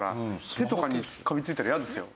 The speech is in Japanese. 手とかにカビついたら嫌ですよ。